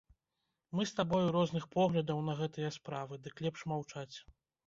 Мы з табою розных поглядаў на гэтыя справы, дык лепш маўчаць.